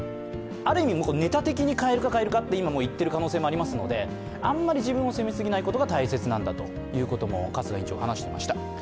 ある意味ネタ的に蛙化、蛙化と言っている可能性もあるのであんまり自分を責めすぎないことが大切なんだということも話していました。